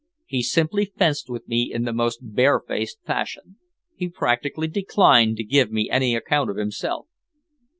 He simply fenced with me in the most barefaced fashion. He practically declined to give me any account of himself."